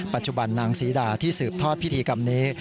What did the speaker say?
ปัจจุบันนางศรีดาที่สืบทอดพิธีกรรมนี้